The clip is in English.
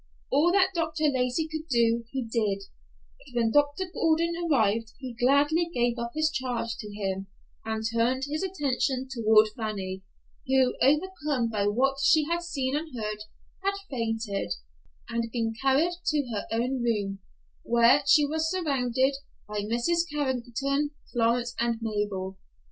All that Dr. Lacey could do, he did, but when Dr. Gordon arrived, he gladly gave up his charge to him, and turned his attention toward Fanny, who, overcome by what she had seen and heard, had fainted, and been carried to her own room, where she was surrounded by Mrs. Carrington, Florence and Mabel.